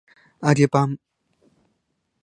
揚げパン